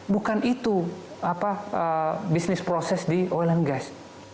bukan itu bisnis proses di oil and gas